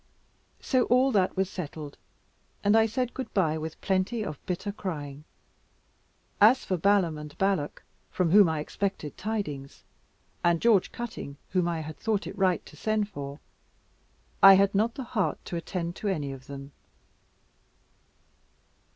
So all that was settled, and I said good bye with plenty of bitter crying. As for Balaam and Balak, from whom I expected tidings, and George Cutting, whom I had thought it right to send for I had not the heart to attend to any of them.